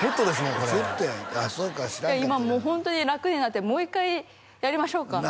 これセットやああそうか今ホントに楽になってもう一回やりましょうか？